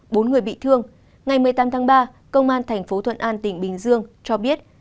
bốn người bị thương ngày một mươi tám tháng ba công an thành phố thuận an tỉnh bình dương cho biết